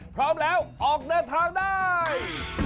พร้อมแล้วออกเดินทางได้